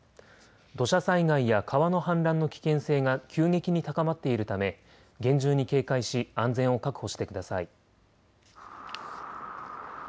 土砂災害や川の氾濫の危険性が急激に高まっているため厳重に警戒し安全を確保してください。